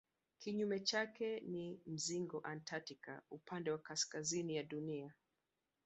Kinyume chake ni mzingo antaktiki upande wa kaskazini ya Dunia.